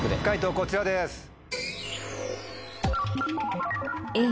解答こちらです。